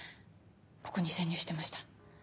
ここに潜入してました。